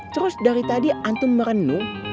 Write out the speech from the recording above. terus dari tadi antun merenung